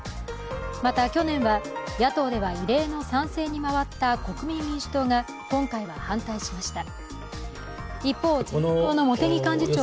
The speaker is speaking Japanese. また、去年は野党では異例の賛成に回った国民民主党が今回は反対しました。